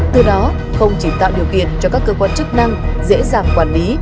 từ đó không chỉ tạo điều kiện cho các cơ quan chức năng dễ dàng quản lý